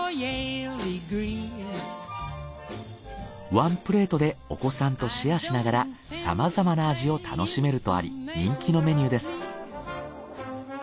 ワンプレートでお子さんとシェアしながらさまざまな味を楽しめるとあり人気のメニューです。